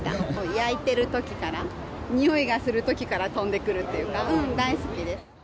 焼いてるときから、においがするときからとんでくるっていうか、大好きです。